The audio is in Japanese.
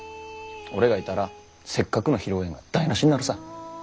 俺がいたらせっかくの披露宴が台なしになるさ。